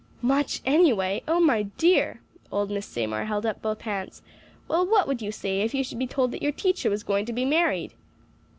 "'Much anyway?' oh, my dear!" Old Miss Seymour held up both hands. "Well, what would you say if you should be told that your teacher was going to be married?"